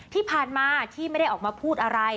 ที่ผ่านมาที่ไม่ได้ออกมาพูดอะไร